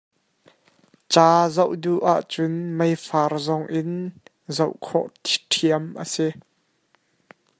Ca zoh duh ahcun meifar zong in zoh khawh ṭhiam a si.